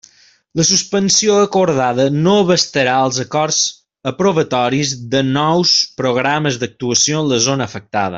La suspensió acordada no abastarà els acords aprovatoris de nous programes d'actuació en la zona afectada.